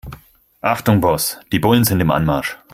Achtung Boss, die Bullen sind im Anmarsch.